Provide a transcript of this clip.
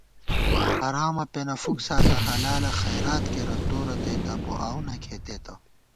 حرامہ پېنہ فُک ساتہ حلالہ خَیرات کېرہ تو رتئ تپو آؤ نہ کھېتېتہ